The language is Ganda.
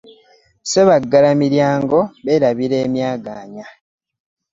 Ssebagggala miryango berabira emyaganya .